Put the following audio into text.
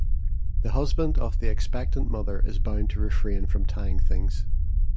The husband of the expectant mother is bound to refrain from tying things.